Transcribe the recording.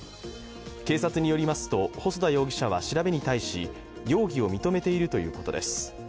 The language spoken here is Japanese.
警察によりますと、細田容疑者は調べに対し、容疑を認めているということです。